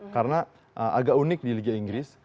karena agak unik di liga inggris